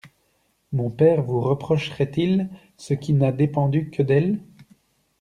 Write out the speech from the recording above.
Mon père vous reprocherait-il ce qui n'a dépendu que d'elle?